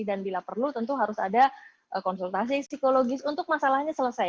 bila perlu tentu harus ada konsultasi psikologis untuk masalahnya selesai